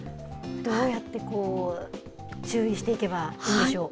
どうやってこう、注意していけばいいんでしょう。